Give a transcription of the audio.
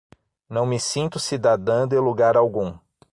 Não me sinto cidadã de lugar algum.